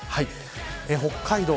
北海道